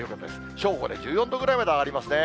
正午で１４度ぐらいまで上がりますね。